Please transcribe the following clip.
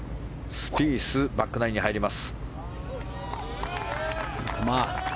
スピースバックナインに入ります。